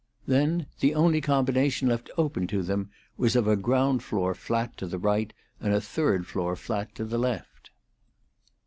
Then the only combination left open to them was of a ground floor flat to the right and a third floor flat to the left.